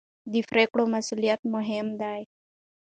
د پرېکړو مسوولیت مهم دی